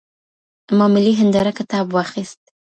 ما ملي هنداره کتاب واخیست.